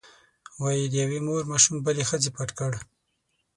وایي د یوې مور ماشوم بلې ښځې پټ کړ.